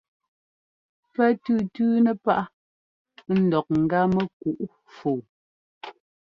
Pɛ́ tʉ́tʉ́nɛ́ páꞌ ńdɔk ŋ́gá mɛkuꞌ fɔɔ.